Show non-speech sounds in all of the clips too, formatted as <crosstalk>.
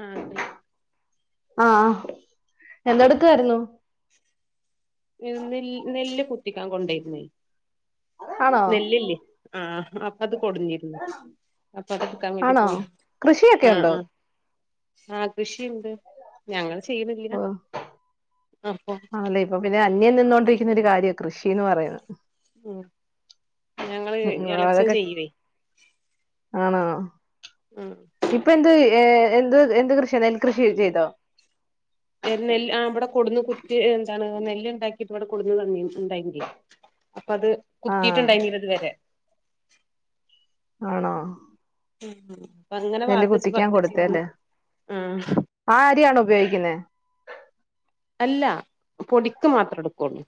ആഹ് അക്കൽക്ക് <unintelligible> എന്തടക്കായിരുന്നു ഏഹ് നെല്ല് കുത്ത്തി ക്കാൻ കൊണ്ടായിക്കണേ ആണോ നെല്ലില്ലേ ആഹ് അപ്പൊ അത് കൊടുന്നിരുന്നു അപ്പൊ അത് എടുക്കാൻ വേണ്ടി ആണോ പോയി കൃഷിയൊക്കെ ആഹ് ഉണ്ടോ ആഹ് ആഹ് ആഹ് കൃഷിയുണ്ട് ഞങ്ങള് ചെയ്തില്ല ഓ അപ്പൊ ന്നെ അന്യം നിന്നോണ്ടിരിക്കുന്ന ഒരു കാര്യമാ കൃഷിന്ന് പറന്നെ ഉം ഞങ്ങള് ഉം ഇളച്ചം അതൊക്കെ ചെയ്യുവേ ആണോ ആഹ് ഇപ്പൊ എന്തല്ലേ ഏഹ് എന്തു എന്ത് കൃഷി നെൽ ഏത് നെല്ല് ആ ബടെ കൊടന്ന് കുത്തി എന്താണ് നെല്ല് ഉണ്ടാക്കിട്ട് ഇവിടെ കൊടുന്ന് തന്നിനു ഉണ്ടായൻ്റെ അപ്പ അത് ആഹ് കുത്തീട്ടുണ്ടായിരുന്നില്ല ഇതുവരെ ആണോ ഉം ഉം നെല്ല് കുത്തിക്കാൻ കൊടുത്തല്ലേ ആഹ് ആ അരിയാണ് ഉപയോഗിക്കുന്നേ അല്ല പൊടിക്ക് മാത്രം എടുക്കുള്ളൂ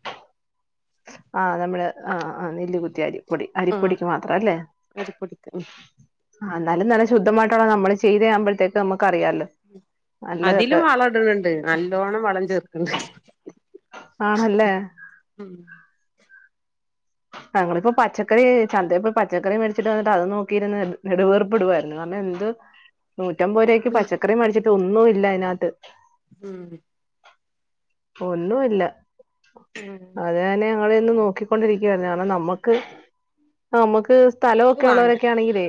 ആഹ് നമ്മള് ആ ആ നെല്ലുകുത്തി ആരി പൊടി ആഹ് അരിപ്പൊടിക്ക് മാത്രല്ലേ അരിപ്പൊടിക്ക് ഉം ആഹ് നല്ല നല്ല ശുദ്ധമായിട്ടുള്ള നമ്മള് ചെയതാവുമ്പോഴത്തേക്ക് നമുക്ക് അറിയാലോ നല്ലതൊക്കെ അതിലും വളം ഇടണണ്ട് നല്ലോണ്ണം വളം ചെർക്ക ഹ <inaudible> ആണല്ലേ ഉം ഞങ്ങളിപ്പോ പച്ചക്കറി ചന്തപ്പോ പച്ചക്കറി മേടിച്ചിട്ട് വന്നിട്ട് അത് നോക്കിയിരു നെടുവേർപ്പിടുവരുന്നു കാരണം എന്ത് നൂറ്റമ്പത് രൂപയ്ക്ക് പച്ചക്കറി മേടിച്ചിട്ട് ഒന്നും ഇല്ല അതിനത്ത് ഉം ഒന്നും ഇല്ല അത് അതന്നെ നോക്കിക്കൊണ്ടിരിക്ക നമുക്ക് നമുക്ക് സ്ഥലമൊക്കെ വാണ്ട ഉള്ളവരൊക്കെ ആണെങ്കിലേ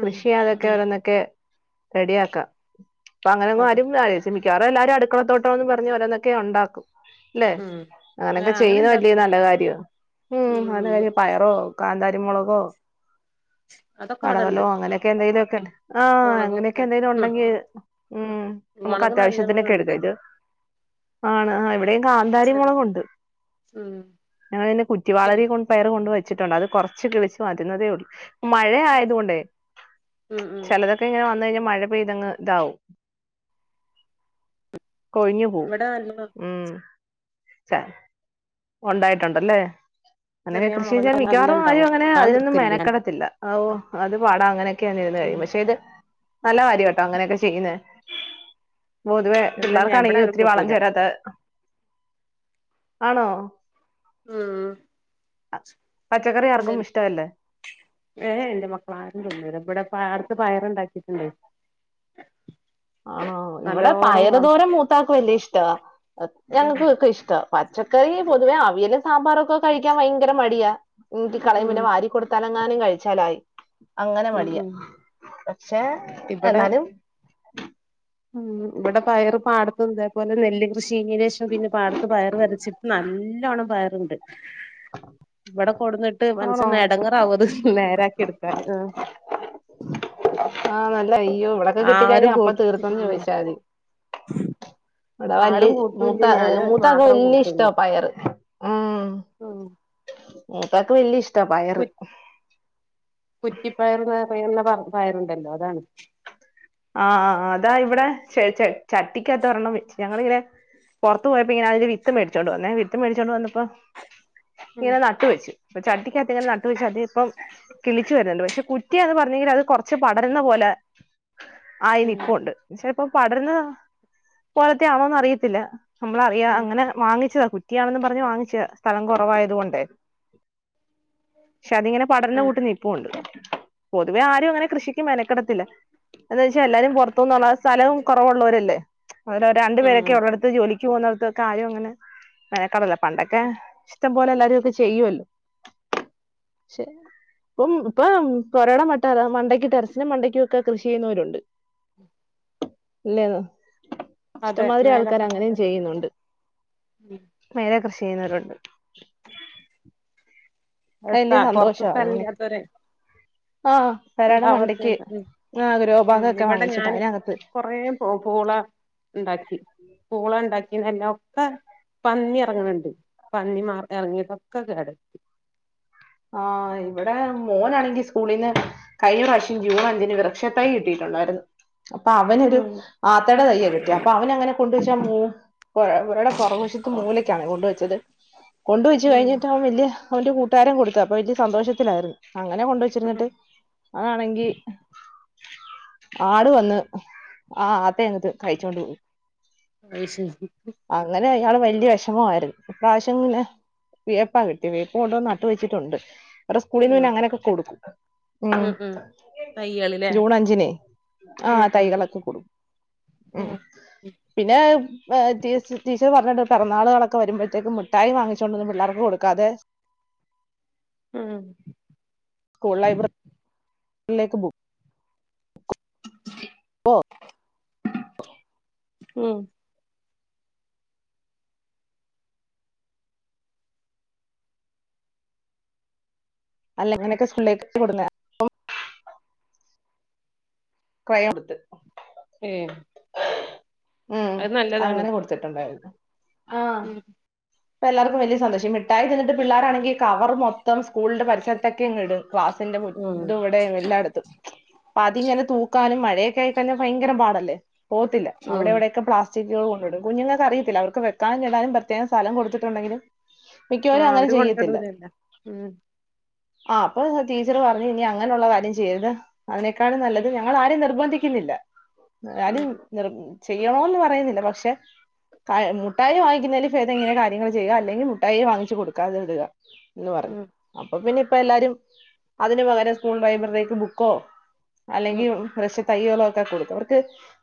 ഉം ഉം ഓരോന്നൊക്കെ റെഡിയാക്കാം അപ്പ അങ്ങനൊന്നും അതെ ആരും <unintelligible> ക്കാറും എല്ലാരും അടുക്കളത്തോട്ടോന്ന് പറഞ്ഞ് ഓരോ ഒക്കെ ഉണ്ടാക്കും അല്ലെ ഉം ആ അങ്ങനെയൊക്കെ അങ്ങനെ ചെയ്യുന്ന വലിയ ഇണ്ടാക്കും നല്ല കാര്യം ഉ അങ്ങനെ ഉം ക പയറോ കാന്ത മുളകോ അതൊക്കെ ഇവിടെണ്ട് പടവലോ അങ്ങനെയൊക്കെ എന്തേലുമൊക്കെ ആഹ് അങ്ങനെയൊക്കെ മുളകൊക്കെ എന്തെങ്കിലും ഉണ്ടെങ്കിൽ ഉ നമുക്ക് മുളക് നല്ലോണം അത്യാവശ്യത്തിനൊക്കെ എടുക്ക ഉണ്ട് ഇത് ആണ് ശരി കാന്താരിമുളക് ഉണ്ട് ഉം ഞങ്ങെ അതിനു ശരി കുറ്റിവാളരെർ പയർകൊണ്ട വയ ച്ചിട്ടുണ്ട് അത് കുറച്ച് വെച്ചു വരുന്നതേയുള്ളു ഉം മഴയായത് കൊണ്ട് ഉം ചിലതൊക്കെ ഇങ്ങനെ വന്ന് കഴിഞ്ഞ മഴ പെയ്തങ്ങ് ഇതാവും കൊഴിഞ്ഞു പോം ഇവിടെ നല്ല ഉം ചാ ഉണ്ടായിട്ടുണ്ടല്ലേ? അങ്ങൊക്കെ ചെറിയ കൃഷി മുളക് ചെയ്യാൻ നല്ല മിക്കവാറും ആരും ഇണ്ടാവും അങ്ങനെ ഞാൻ അതിനൊന്നും നിക്കല്ലേ മേനക്കടത്തില്ല ആ ഓഹ് അത് പാടാ അങ്ങനെ <unintelligible> ഉം കഴിയും പക്ഷേത് നല്ല കാര്യട്ടോ അങ്ങനെയൊക്കെ ചെയ്യുന്നേ പൊതുവേ എന്താ ഞാൻ ഇവിടെ പിള്ളേർക്കാണെങ്കി ആരും ഒത്തിരി വളം കൊട്ടൂല ചേരാത്ത ആണോ? ഓ മ്മ് പച്ചക്കറി ഇല്ലൽ ആർക്കും ഇഷ്ടമല്ലേ ഏ എ ഇന്റെമക്കളാരും തിന്നൂല ഇബടെപ്പാർ ത്ത് പയറ്ണ്ടാക്കിട്ട്ണ്ട് ആണോ ഇവടെ പയറ് തോരം മൂത്താക്ക് വല്യേ ഇഷ് റ്റാ അത് ഉം ഞങ്ങക്ക് ക്കെ ഇഷ്ടാ പച്ചക്കറി പൊതുവെ അവിയലും സാമ്പാറൊക്കെ കഴിക്കാൻ ഭയങ്കര മടിയാ ഉന്തി കളയും ഉം പിന്നെ വാരി കൊടുത്താല എങ്ങാനും കഴിച്ചാലായി. അങ്ങനെ ഉം മടിയാ ഉം പക്ഷെ എന്നാലും <inaudible> മ് ഇവടെ പയറ് പാടത്തും തേപോലെ നെല്ല് കൃഷികയിഞ്ഞേന് ശേഷം പിന്നെ പാടത്ത് പയർ വെതച്ചിട്ട് നല്ലോണ്ണം പയറ്ണ്ട്. വടെ കൊട്ന്നിട്ട് ആണോ മൻസൻ എടങ്ങേറാവു അത് നേരാക്കി എട്ക്ക ക്കാന് ആ ആ നൽ അയ്യോ ഇവടൊക്കെ കിട്ടി കഴിഞ്ഞാ അപ്പ തീർത്തെന്ന് ചോയിച്ചാതി. ഇവടെ വല്ല്യേ ആരും മൂത്ത കൂട്ടൂല്ല ഞാനും അവര് മൂത്താക്ക് മാത്രം വല്ല്യേ ഇഷ്ടാ പയറ്. ആ ഇം മൂത്താക്ക് വല്ല്യ ഇഷ് ട്ടാ പയറ്. കുറ്റിപ്പയറ്ന്ന് പയറിണ പറ പയറിണ്ടല്ലോ അതാണ്. ആഹ് അതാ ഇവിടെ ചേച്ചേ ചട്ടിക്കകത്ത് ഒരെണ്ണം വെച്ച് ഞങ്ങളിങ്ങനെ പൊറത്ത് പോയപ്പോ ഇങ്ങനെ അതിന്റെ വിത്ത് മേടിച്ചോണ്ട് വന്നേ വിത്ത് മേടിച്ചോണ്ട് വന്നപ്പോ ഉം ഇങ്ങനെ നട്ട് വെച്ചു പ ചട്ടിക്കകത്ത് ഇങ്ങനെ നട്ട് വെച്ച് അതീപ്പം കിളിച്ചു വര്ന്ന് ണ്ട് പക്ഷെ കു റ്റിയാന്ന് പറഞ്ഞീലെ അത് കൊറച്ച് പടര്ന്ന പോലെ ആയിനി ഉം ഇപ്പൊ ഉണ്ട് ഷേ ഇപ്പൊ പടര്ന്ന് പോലത്തെ ആണോന്ന് അറിയത്തില്ല. നമ്മളറിയാ അങ്ങനെ വാങ്ങിച്ചത കുറ്റിയാണെന്നും പറഞ്ഞ് വാങ്ങിച്ച സ്ഥലം കൊറവായത് കൊണ്ടേ ക്ഷെ അതിങ്ങനെ പടർന്ന് ഉം കൂട്ട് നിൽപ്പുണ്ട് പൊതുവെ ആരും അങ്ങനെ കൃഷിക്ക് മെനക്കെടത്തില്ല എന്ന് വെച്ച്എല്ലാരും പുറത്തുന്നുള്ള സ്ഥലം കുറവുള്ളോരല്ലെ ഓരൊ രണ്ട് ഉം ഉം പേരൊക്കെള്ളടുത്ത്ജോലിക്ക് പോകുന്നിടുത്ത് കാര്യം അങ്ങനെ ബേക്ക വല്ലെ പണ്ടൊക്കെ ഇഷ്ടം പോലെ എല്ലാരൊക്കെ ചെയ്യുവല്ലോ ക്ഷേഇപം പാം പൊരാട മട്ട മണ്ടയ്ക്ക് ടെറസിനും മണ്ടയ്ക്കക്കെ കൃഷി ചെയ്യുന്നോരുണ്ട് ഇല്ലേന്ന അതെ ഇഷ്ടംമാതിരി ആൾക്കാർ മേലൊക്കെ അങ്ങനെയും ചെയ്യുന്നുണ്ട് ഉം മൈല കൃഷി ചെയ്യുന്നോര് ണ്ട് എത്ത കൊർച്ച് സ്ഥലില്ലാത്തവര് ആഹ് പെരയുടെ മണ്ടയ്ക്ക് ഉണ്ടാവാത്തില്ല ആഹ് ഗ്രോ ബാഗ് ഒക്കെ ഇവിടെ വാങ്ങിച്ചിട്ട് ഞാന് അതിനകത്ത് കുറെപ പൂള ണ്ടാക്കി പൂള ണ്ടാക് ഇതല്ലാം ഒക്കെ പന്നി ഇറങ്ങണണ്ട് പന്നി മാർ ഇറങ്ങിട്ടൊക്കെ കേടര് ആ ഇവിടെ മോനാണെങ്കി സ്കൂളിന്ന് കഴിഞ്ഞ വർഷം ജൂൺ അഞ്ചിന് വൃക്ഷ തൈ കിട്ടിയിട്ടുണ്ടായിരുന്നു അപ്പൊ അവനൊരു ഉം ആത്തയുടെ തയ്യെകിട്ടിയ അപ്പൊഅവന അങ്ങനെ കൊണ്ടുവച്ചാ മൂ അവരുടെ പുറകശത്ത് മൂലക്കാണ് കൊണ്ടുവെച്ചത് ആ കൊണ്ടുവെച്ചു ഉം കഴിഞ്ഞിട്ടാ അവൻ വല്യ അവന്റെ കൂട്ടാരം കൊ തപ്പൊ വല്യ സന്തോഷത്തിലായിരുന്നു അങ്ങനെ കൊണ്ടുവച്ചിരുന്നിട്ട് അതാണെങ്കി ആടു വന്ന് ആ ആത്തെങ്ങത്ത് കഴി ച്ചോണ്ട് പോയി അ ഹ് ശരി യാള് വല്യ വിഷമമായിരുന് ഇപ്രാവശ്യം ന്നെ വേപ്പാ കിട്ടി വേപ്പ കൊണ്ടന്ന് നട്ട് വെച്ചിട്ടുണ്ട് സ്കൂളിന്നെ പിന്നെ അങ്ങനെയൊക്കെ കൊടുക്കും ഉം തയ്യള്ല്ലേ ജൂൺ അഞ്ചിനെ ആ ഉം ഉം തൈകളൊക്കെ കൊടുക്കു ഉം ഉ പിന്നെ എ ടീച് ടീച്ചർ പറഞ്ഞിട്ട് പിറന്നാളുകളൊക്കെ വരുമ്പോഴത്തേക്ക് മിഠായിും വാങ്ങിച്ചോണ്ട് പിള്ളേർക്ക് കൊടുക്കാതെ ആഹ് സ്കൂൾ ലൈബ്രറി ലേക്ക് ബുക്ക് ഉം അല്ല ഇങ്ങനെയൊക്കെ സ്കൂളിലേക്ക് കൊടുന്ന പ്പോ <unintelligible> ഏ ഉം അങ്ങനെ കൊടുത്തിട്ടുണ്ടായിരുന്നു ഉം ഇപ്പ എല്ലാർക്കും വലിയ സന്തോഷം മിഠായി തിന്നിട്ട് പിള്ളോരാണെങ്കിൽ കവർ മൊത്തം സ്കൂളിന്റെ പരിസരത്തൊക്കെയിങ്ങിടും ക്ലാസിന്റെ മു ഉം ഇത് ഇവിടെയും എല്ലായിടത്തും അതിങ്ങനെ തൂക്കാനും മഴ ഡേ കെയെറിൽ തന്നെ ഭയങ്കര പാടല്ലേ പോവത്തില്ല ഉം അവിടെവിടെയൊക്കെ പ്ലാസ് <unintelligible> കുഞ്ഞുങ്ങക്ക്‌ അറിയത്തില്ല അവർക്ക് വെക്കാനും ഇടാനും പ്രത്യേക‌ സ്ഥലം കൊടുത്തിട്ടുണ്ടെങ്കില് ആ അവര് കൊണ്ടടൂരല്ലോ മ് ആ അപ്പൊ ടീച്ചറ് പറഞ്ഞു ഇനി അങ്ങനെയുള്ള കാര്യം ചെയ്യരുത് അതിനേക്കാണും നല്ലത് ഉം ഞങ്ങൾ ആരെയും നിർബന്ധിക്ക് ക്ക്ന്നില്ല ഉം <unintelligible> ചെയ്യണോന്ന് പറയുന്നില്ല പക്ഷെ ക മുട്ടായി വാങ്ങിക്കുന്നതില് ചെയ്ത് ഇങ്ങനെ കാര്യങ്ങൾ ചെയ്യുക അല്ലെങ്കിൽ മുട്ടായി വാങ്ങിച്ച് കൊടുക്കാതിടുക എന്ന് പറഞ്ഞു അപ്പൊ പിന്നെ ഇപ്പം എല്ലാരും അതിന് പകരം സ്കൂൾ ലൈബ്രറിലേക്ക് ബുക്കോ ഉം അല്ലെങ്കിൽ ഉം വൃക്ഷ തെൈയ്യൊളൊക്കെ കൊടുക്കും അവർക്ക്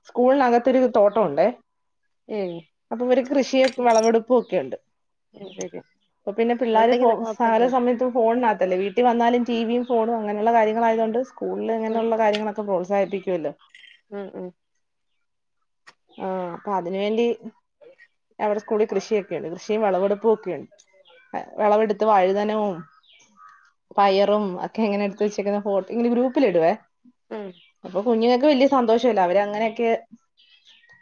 സ്കൂളിനകത്തൊരു തോട്ടം ഉണ്ടേ ഏ കൃഷിയെക്കെ വെളവെടുപ്പ് പ്പൊക്കെയുണ്ട് അത് ശരി ഇപ്പ പിന്നെ പിള്ളേര് അത്ണ്ടെങ്കി ഫോ പല കൊഴപ്പല്ലല്ലോ സമയത്തും ഫോണിന അതല്ലേ വീട്ടിൽ വന്നാലും ടി വിയും ഫോണും അങ്ങനുള്ള കാര്യങ്ങൾ ആയതോണ്ട് സ്കൂളിലിങ്ങനെയുള്ള കാര്യങ്ങളൊക്ക പ്രോത്സാഹിപ്പി ക്കൂല മ് മ് ആ അപ്പൊ അതിനുവേണ്ടി അവിടെ സ്കൂളിൽ കൃഷി കൃഷി വെളവെടുപ്പ് പ്പൊക്കെയാണ് വെളവെടു ത് വഴുതനവും പയറും ഒക്കെ എങ്ങനെ വെച്ചേക്കെന്ന ഫോട്ടോ ഇങ്ങനെ ഗ്രൂപ്പിലിടുവേ ഉം അപ്പൊ കുഞ്ഞു ങ്ങക്ക് വലിയ സന്തോഷവല്ലെ അവര് അങ്ങനെയൊക്കെ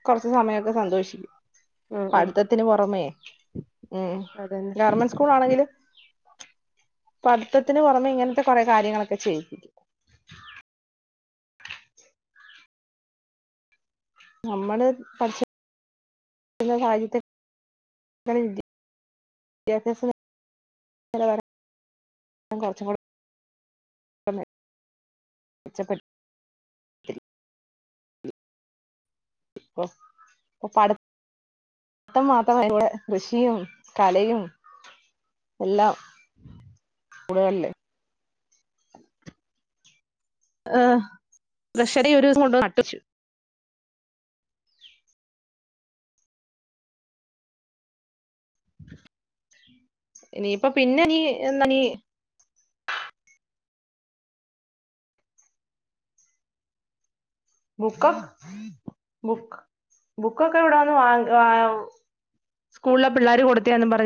കൊറച്ച് സമയൊക്കെ സന്തോഷിക്കും. ഉം ഉം പഠിത്തത്തിന് പുറമേ ഇം അതന്നെ ഗവർമെന്റ് സ്കൂൾ ആണെങ്കില് പഠിത്തത്തിന് പുറമെ ഇങ്ങനത്തെ കൊറെ കാര്യങ്ങളൊക്കെ ചെയ്യിക്കും നമ്മള് പഠിച്ചു <unintelligible> സാഹചര്യത്തി വിദ്യാഭ്യാസ നിലവാരം <unintelligible> കൊറച്ചുകൂടി <unintelligible> ഇപ്പ പട്ത്തം മാത്രമല്ല <unintelligible> കൃഷിയും കലയും എല്ലാം സ്കൂള്കളില് ഏഹ് ട്രഷറീ ഒരുദിവസം കൊണ്ടന്നു നട്ടു വെച്ചു ഇനിപ്പൊ പിന്നെ നീ എന്ന നീ ബുക്കൊക്ക്‌ ബുക്ക്‌ ബുക്കൊക്കെ ഇവിടെവന്ന് വാങ് വാ സ്കൂളിലെ പിള്ളേര് കൊടുത്തെയാന്ന് പറ